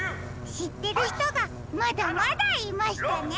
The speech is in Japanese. しってるひとがまだまだいましたね。